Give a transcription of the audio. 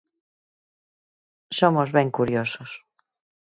Somos ben curiosos.